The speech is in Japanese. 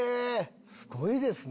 すごいですね。